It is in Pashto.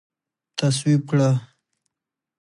تصویب کړه